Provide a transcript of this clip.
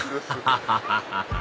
ハハハハハ！